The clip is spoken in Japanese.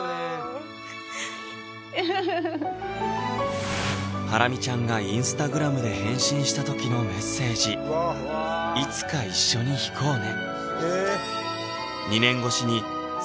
ウフフフハラミちゃんがインスタグラムで返信した時のメッセージ「いつか一緒に弾こうね」